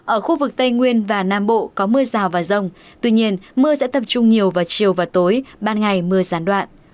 ở khu vực tây nguyên và nam bộ có mưa rào và rông tuy nhiên mưa sẽ tập trung nhiều vào chiều và tối ban ngày mưa gián đoạn